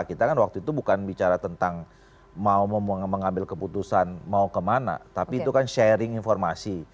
kita kan waktu itu bukan bicara tentang mau mengambil keputusan mau kemana tapi itu kan sharing informasi